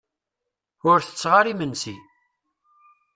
Ur tetteɣ ara imensi.